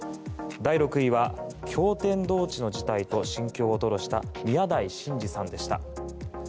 第６位は驚天動地の事態と心境を吐露した宮台真司さんでした。